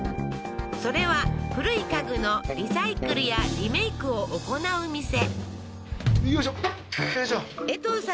それは古い家具のリサイクルやリメイクを行う店よいしょよいしょ